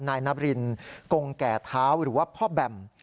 นายนบรินกงแก่เท้าหรือว่าพ่อแบม